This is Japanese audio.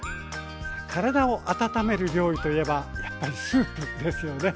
体を温める料理といえばやっぱりスープですよね。